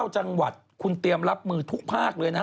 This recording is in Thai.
๙จังหวัดคุณเตรียมรับมือทุกภาคเลยนะ